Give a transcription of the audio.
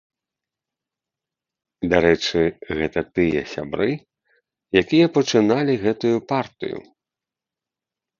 Дарэчы, гэта тыя сябры, якія пачыналі гэтую партыю.